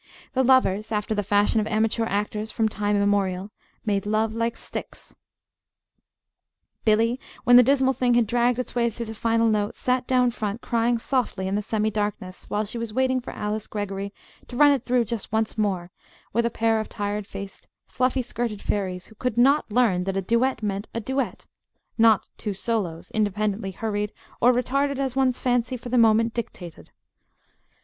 The lovers, after the fashion of amateur actors from time immemorial, "made love like sticks." Billy, when the dismal thing had dragged its way through the final note, sat "down front," crying softly in the semi darkness while she was waiting for Alice Greggory to "run it through just once more" with a pair of tired faced, fluffy skirted fairies who could not learn that a duet meant a duet not two solos, independently hurried or retarded as one's fancy for the moment dictated.